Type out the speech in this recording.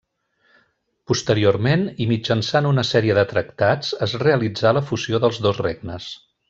Posteriorment, i mitjançant una sèrie de tractats es realitzà la fusió dels dos regnes.